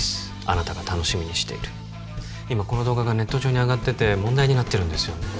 あなたが楽しみにしているこの動画がネット上に上がってて問題になってるんですよね